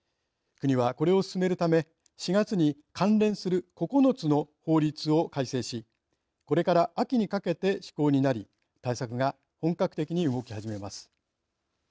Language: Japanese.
国は、これを進めるため４月に関連する９つの法律を改正しこれから秋にかけて施行になり対策が本格的に動き始めます。